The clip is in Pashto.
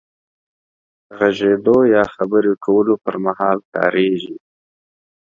غږېدو يا خبرې کولو پر مهال کارېږي.